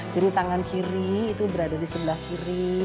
jadi tangan kiri itu berada di sebelah kiri